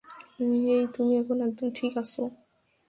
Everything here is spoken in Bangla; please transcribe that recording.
হেই, তুমি এখন একদম ঠিক আছো।